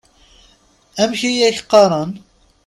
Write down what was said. Amek i ak-qqaṛen?